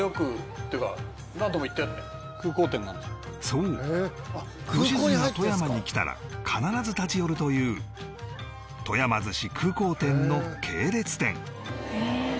そう良純が富山に来たら必ず立ち寄るというとやま鮨空港店の系列店